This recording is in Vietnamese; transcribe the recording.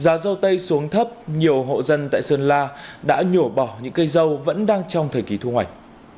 giá dâu tây xuống thấp nhiều hộ dân tại sơn la đã nhổ bỏ những cây dâu vẫn đang trong thời kỳ thu hoạch